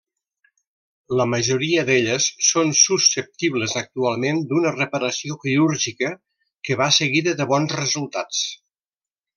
La majoria d'elles són susceptibles actualment d'una reparació quirúrgica que va seguida de bons resultats.